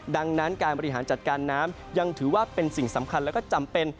ดังนั้นการบริหารจัดการน้ำยังถือว่าเป็นสิ่งสำคัญและก็จำเป็น